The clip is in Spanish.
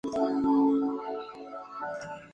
Se encuentra en el departamento de Ain, en Francia.